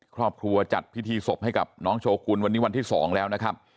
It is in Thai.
ครอบครัวจัดพิธีศพให้กับน้องโชกุลวันนี้วันที่๒แล้วนะครับ